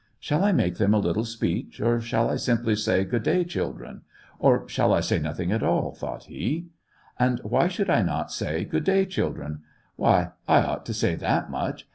" Shall I make them a' little speech, or shall I simply say, * Good day, children !* or shall I say nothing at all }" thought he. " And why should I not say, * Good day, children !' Why, I ought to say that much!"